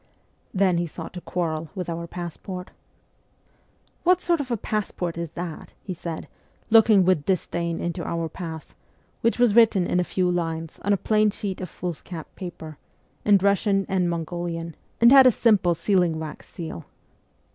Then he sought to quarrel with our passport. ' What sort of a passport is that ?' he said, looking with disdain into our pass, which was written in a few lines on a plain sheet of foolscap paper, in Russian and Mongolian, and had a simple sealing wax seal.